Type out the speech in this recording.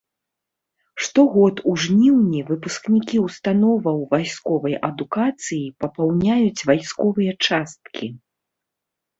Штогод у жніўні выпускнікі ўстановаў вайсковай адукацыі папаўняюць вайсковыя часткі.